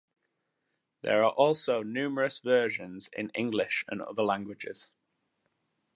There are also numerous versions in English and other languages.